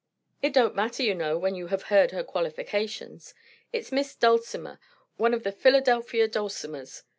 "It don't matter, you know, when you have heard her qualifications. It's Miss Dulcimer one of the Philadelphia Dulcimers.